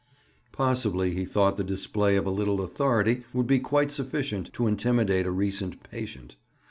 Possibly he thought the display of a little authority would be quite sufficient to intimidate a recent "patient."